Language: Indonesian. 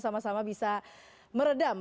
sama sama bisa meredam